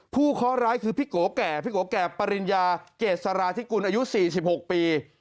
เคาะร้ายคือพี่โกแก่พี่โกแก่ปริญญาเกษราธิกุลอายุ๔๖ปี